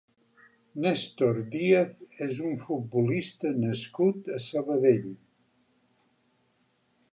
Néstor Díaz és un futbolista nascut a Sabadell.